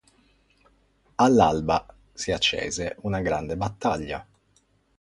All'alba si accese una grande battaglia.